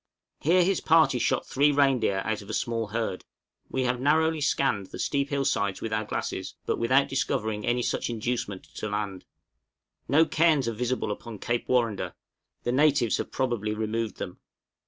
Here his party shot three reindeer out of a small herd. We have narrowly scanned the steep hill sides with our glasses, but without discovering any such inducement to land. No cairns are visible upon Cape Warrender; the natives have probably removed them.